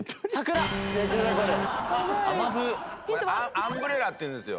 アンブレラって言うんですよ。